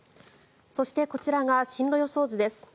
そしてこちらが進路予想図です。